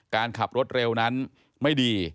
การขับรถเร็วนั้นไม่ดี